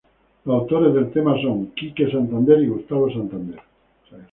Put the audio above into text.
Los autores del tema son: Kike Santander y Gustavo Santander.